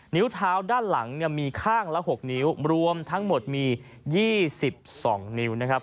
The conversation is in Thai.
นิ้วเท้าด้านหลังเนี่ยมีข้างละ๖นิ้วรวมทั้งหมดมี๒๒นิ้วนะครับ